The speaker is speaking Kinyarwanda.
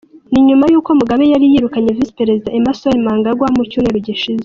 Ni nyuma y’uko Mugabe yari yirukanye Visi-Perezida Emerson Mnangagwa mu cyumweru gishize.